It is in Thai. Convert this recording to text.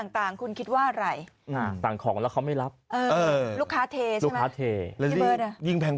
ต่างคุณคิดว่าอะไรสั่งของแล้วเขาไม่รับลูกค้าเทลูกค้าเทยิ่งแพงอ่ะ